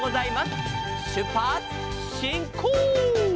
「しゅっぱつしんこう！」